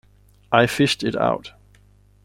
I fished it out.